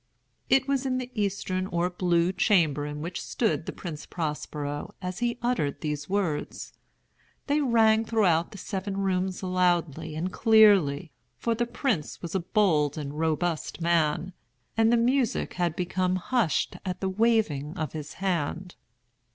It was in the eastern or blue chamber in which stood the Prince Prospero as he uttered these words. They rang throughout the seven rooms loudly and clearly—for the prince was a bold and robust man, and the music had become hushed at the waving of his hand.